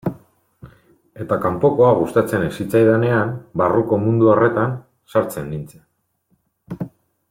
Eta kanpokoa gustatzen ez zitzaidanean, barruko mundu horretan sartzen nintzen.